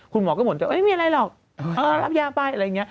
คุณหมอก็เหมือนจะไม่มีอะไรหรอกรับยาไปอะไรอย่างนี้